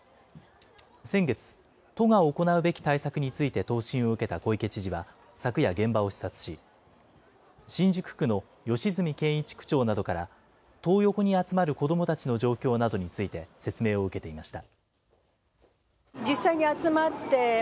先月、都が行うべき対策について答申を受けた小池知事は昨夜、現場を視察し、新宿区の吉住健一区長などから、トー横に集まる子どもたちの状況などについて説明を受けていました。